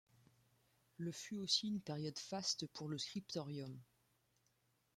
Le fut aussi une période faste pour le scriptorium.